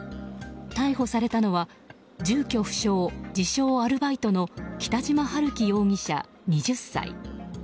逮捕されたのは住居不詳、自称アルバイトの北島陽樹容疑者、２０歳。